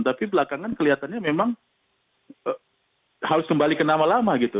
tapi belakangan kelihatannya memang harus kembali ke nama lama gitu